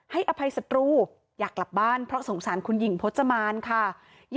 อภัยศัตรูอยากกลับบ้านเพราะสงสารคุณหญิงพจมานค่ะ